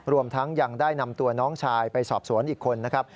รวมทั้งยังได้นำตัวน้องชายไปสอบสวนอีกคนนะครับ